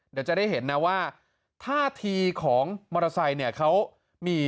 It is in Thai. เดี๋ยวจะได้เห็นนะว่าท่าที่ของมอเตอร์ไซค์มีพิรุธหน่อย